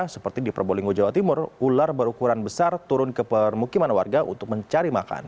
seperti di probolinggo jawa timur ular berukuran besar turun ke permukiman warga untuk mencari makan